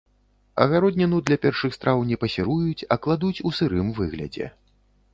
Агародніну для першых страў не пасіруюць, а кладуць у сырым выглядзе.